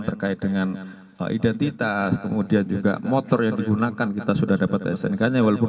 terkait dengan identitas kemudian juga motor yang digunakan kita sudah dapat snk nya walaupun